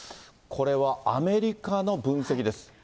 これはアメリカの分析です。